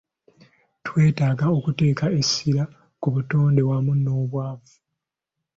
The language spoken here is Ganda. Twetaaga okuteeka essira ku butonde wamu n'obwavu.